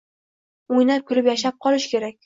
Oʻynab-kulib yashab qolish kerak